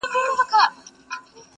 • هر څوک خپله کيسه لري تل,